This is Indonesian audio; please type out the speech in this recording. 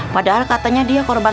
padahal katanya dia korban